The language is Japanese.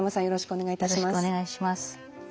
よろしくお願いします。